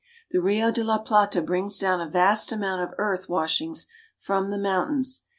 The Rio de la Plata brings down a vast amount of earth washings from the mountains.